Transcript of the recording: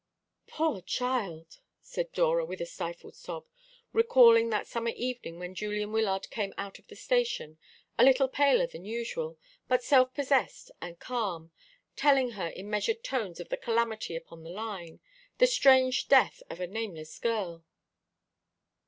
"Poor child," said Dora, with a stifled sob, recalling that summer evening when Julian Wyllard came out of the station, a little paler than usual, but self possessed and calm, telling her in measured tones of the calamity upon the line the strange death of a nameless girl.